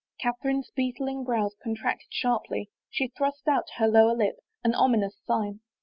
Catherine's beetling brows contracted sharply. She thrust out her lower lip — an ominous sign.